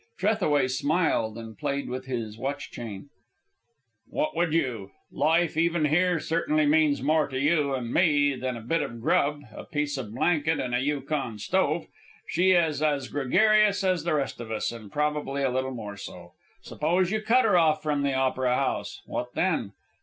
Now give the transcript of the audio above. Trethaway smiled and played with his watch chain. "What would you? Life, even here, certainly means more to you and me than a bit of grub, a piece of blanket, and a Yukon stove. She is as gregarious as the rest of us, and probably a little more so. Suppose you cut her off from the Opera House, what then?